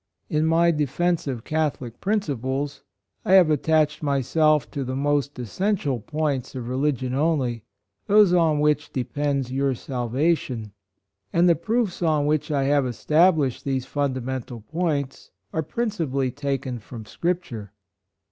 " In my defence of ' Catholic Principles,' I have attached myself 136 WRITINGS IN DEFENCE, &C. to the most essential points of reli gion only — those on which depends your salvation. And the proofs on which I have established these fun damental points are principally taken from Scripture.